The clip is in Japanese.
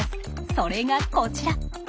それがこちら。